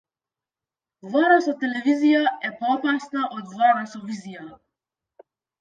Влада со телевизија е поопасна од влада со визија.